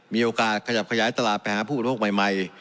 มีโอกาสขยับขยายตลาดไปหาผู้อุปโภคใหม่